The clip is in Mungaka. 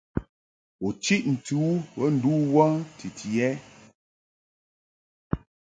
U chiʼ ntɨ u bə ndu wə titi ɛ?